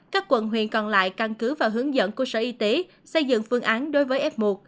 các quận huyện còn lại căn cứ và hướng dẫn của sở y tế xây dựng phương án đối với f một